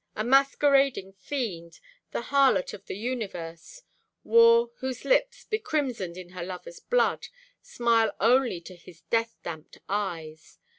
A masquerading fiend, The harlot of the universe— War, whose lips, becrimsoned in her lover's blood, Smile only to his death damped eyes!